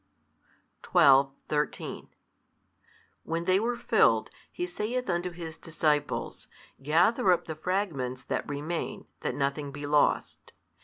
12, 13 When they were filled, He saith unto His disciples, Gather up the fragments that remain, that nothing be lost.